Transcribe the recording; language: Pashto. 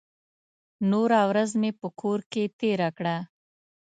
نوره ورځ مې په کور کې تېره کړه.